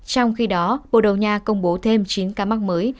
trong khi đó bồ đầu nha công bố thêm chín ca mắc mới